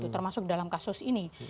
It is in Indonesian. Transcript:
termasuk dalam kasus ini